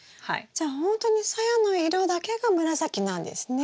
じゃあほんとにさやの色だけが紫なんですね。